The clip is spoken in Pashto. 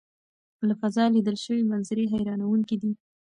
له فضا لیدل شوي منظرې حیرانوونکې دي.